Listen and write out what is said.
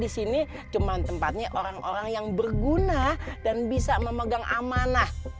disini cuman tempatnya orang orang yang berguna dan bisa memegang amanah